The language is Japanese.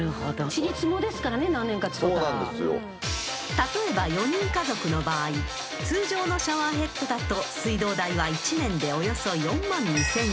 ［例えば４人家族の場合通常のシャワーヘッドだと水道代は１年でおよそ４万２，０００円］